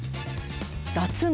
脱毛。